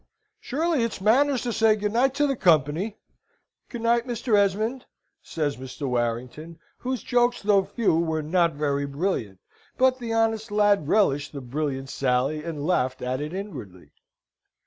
"Surely it's manners to say good night to the company. Good night, Mr. Esmond," says Mr. Warrington, whose jokes, though few, were not very brilliant; but the honest lad relished the brilliant sally and laughed at it inwardly.